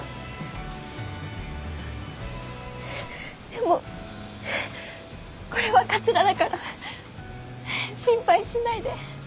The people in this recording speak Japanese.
でもこれはかつらだから心配しないで。